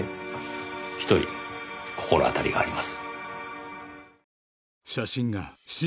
一人心当たりがあります。